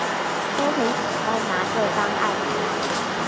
都很喜歡拿這當案例